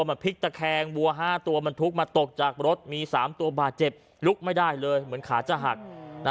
มันพลิกตะแคงบัว๕ตัวมาตกจากรถมีสามตัวบาดเจ็บลึกไม่ได้เลยเหมือนขาจะหั่กนะ